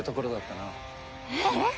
えっ！？